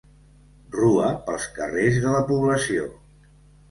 Rua pels carrers de la població.